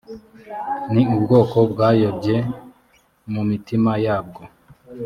ni ubwoko bwayobye mu mitima yabwo